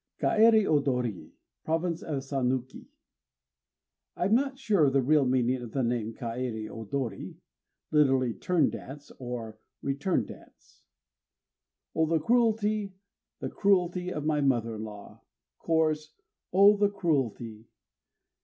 _ KAËRI ODORI (Province of Sanuki) I am not sure of the real meaning of the name Kaëri Odori (lit. "turn dance" or "return dance"). Oh! the cruelty, the cruelty of my mother in law! (Chorus) _Oh! the cruelty!